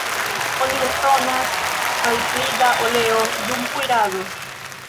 Oni bezonas malpli da oleo dum kuirado.